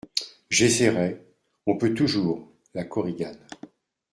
J'essayerai ; on peut toujours … LA KORIGANE.